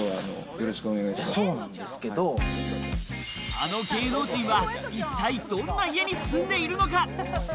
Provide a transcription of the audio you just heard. あの芸能人は、一体どんな家に住んでいるのか？